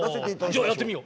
じゃあやってみよ。